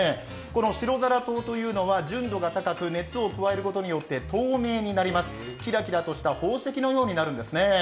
この白双糖というのは純度が高く熱を加えることで透明になります、キラキラとした宝石のようになるんですね。